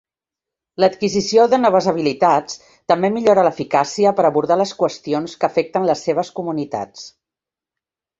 L'adquisició de noves habilitats també millora l'eficàcia per abordar les qüestions que afecten les seves comunitats.